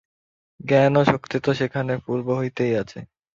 জ্ঞান ও শক্তি তো সেখানে পূর্ব হইতেই আছে।